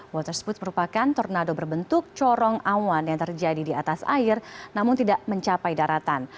water spot merupakan tornado berbentuk corong awan yang terjadi di atas air namun tidak mencapai daratan